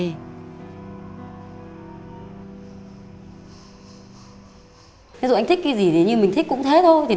nếu anh thích cái gì thì mình thích cũng thế thôi